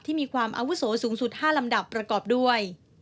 มีความอาวุโสสูงสุด๕ลำดับประกอบด้วย